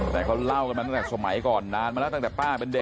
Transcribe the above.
แต่เขาเล่ากันมาตั้งแต่สมัยก่อนนานมาแล้วตั้งแต่ป้าเป็นเด็ก